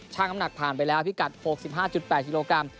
น้ำหนักผ่านไปแล้วพิกัด๖๕๘กิโลกรัม